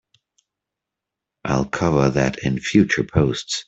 I'll cover that in future posts!